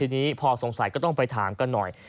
ทีนี้พอสงสัยก็ต้องไปถามกันหน่อย